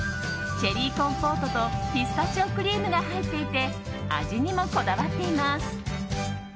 チェリーコンポートとピスタチオクリームが入っていて味にもこだわっています。